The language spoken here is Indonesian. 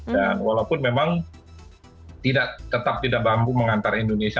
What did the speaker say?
dan walaupun memang tetap tidak mampu mengantar indonesia